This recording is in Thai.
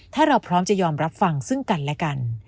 ถ้าเราพร้อมจะยอมรับฟังซึ่งกันและกัน